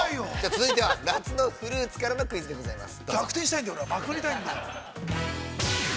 続いては夏のフルーツのからのクイズでございます。